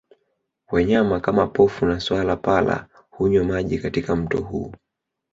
Wanyama kama pofu na swala pala hunywa maji katika mto huu